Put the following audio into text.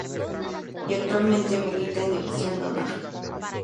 Y actualmente milita en División de Honor.